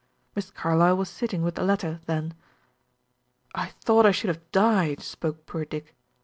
Miss Carlyle was sitting with the latter then. "I thought I should have died," spoke poor Dick.